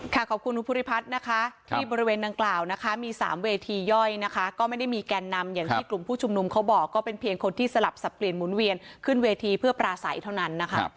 ขอบคุณคุณภูริพัฒน์นะคะที่บริเวณดังกล่าวนะคะมี๓เวทีย่อยนะคะก็ไม่ได้มีแกนนำอย่างที่กลุ่มผู้ชุมนุมเขาบอกก็เป็นเพียงคนที่สลับสับเปลี่ยนหมุนเวียนขึ้นเวทีเพื่อปราศัยเท่านั้นนะคะ